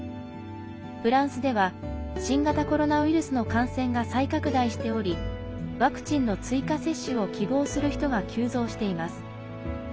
フランスでは新型コロナウイルスの感染が再拡大しておりワクチンの追加接種を希望する人が急増しています。